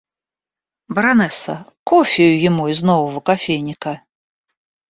Баронесса, кофею ему из нового кофейника.